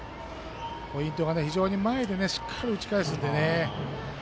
ポイントが非常に前でしっかり打ち返すんで。